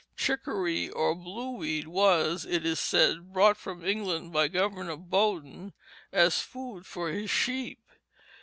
Chicory or blue weed was, it is said, brought from England by Governor Bowdoin as food for his sheep.